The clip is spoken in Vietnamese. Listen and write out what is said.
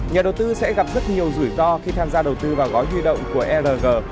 nhà đầu tư sẽ gặp rất nhiều rủi ro khi tham gia đầu tư vào gói huy động của rg